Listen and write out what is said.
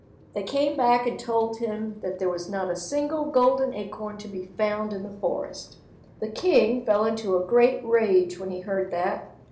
They came back and told him that there was not a single golden acorn to be found in the forest. The king fell in a great rage when he heard that.